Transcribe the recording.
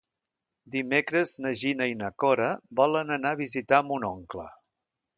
Dimecres na Gina i na Cora volen anar a visitar mon oncle.